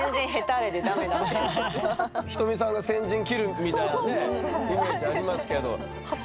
ひとみさんが先陣切るみたいなねイメージありますけど実際。